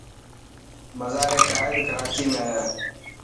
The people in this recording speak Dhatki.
مزار قائد ڪراچي ۾ هي.